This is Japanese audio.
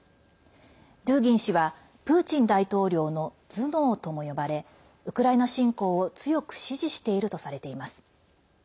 ドゥーギン氏はプーチン大統領の頭脳とも呼ばれウクライナ侵攻を強く支持しているとされています。